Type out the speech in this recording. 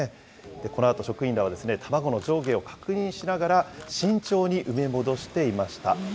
このあと職員らは卵の上下を確認しながら、慎重に埋め戻していました。